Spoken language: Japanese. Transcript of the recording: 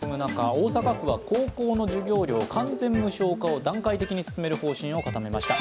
大阪府は高校の授業料完全無償化を段階的に進める方針を示しました。